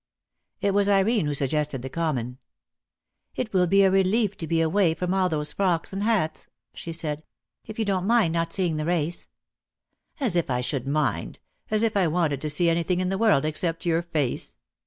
It v/as Irene who suggested the Common. "It will be a relief to be away from all those frocks and hats," she said, "if you don't mind not seeing the race." "As if I should mind: as if I wanted to see anything in the world except your face!